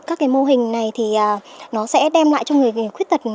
các cái mô hình này thì nó sẽ đem lại cho người khuyết tật